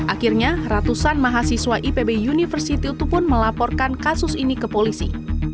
akhirnya ratusan mahasiswa ipb university itu pun melaporkan kasus ini ke polisi